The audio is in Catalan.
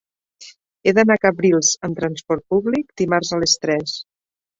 He d'anar a Cabrils amb trasport públic dimarts a les tres.